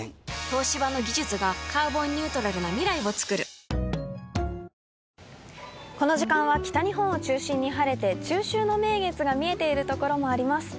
東芝の技術がカーボンニュートラルな未来をつくるこの時間は北日本を中心に晴れて中秋の名月が見えているところもあります。